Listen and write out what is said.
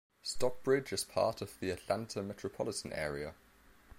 Stockbridge is part of the Atlanta metropolitan area.